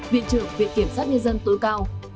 viện trưởng viện kiểm soát nhân dân tối cao